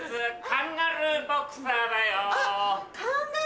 カンガルーボクサーさんだ！